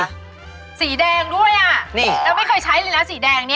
ไม่มีไม่เคยมียี่หอดนี้ไม่ใช่สีแดง